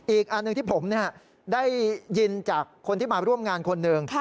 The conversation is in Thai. อีกอันหนึ่งที่ผมได้ยินจากคนที่มาร่วมงานคนหนึ่ง